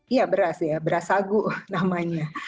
iya beras ya beras sagu namanya